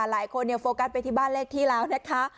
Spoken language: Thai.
โฟกัสไปที่บ้านเลขที่แล้วนะคะ